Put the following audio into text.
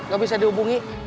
gak bisa dihubungi